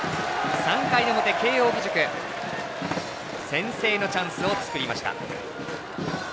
３回の表、慶応義塾先制のチャンスを作りました。